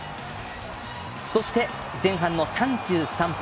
そして、前半の３３分。